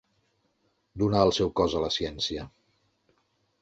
Donà el seu cos a la ciència.